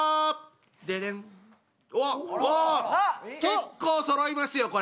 結構そろいますよこれ。